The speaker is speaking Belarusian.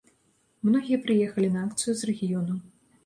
Многія прыехалі на акцыю з рэгіёнаў.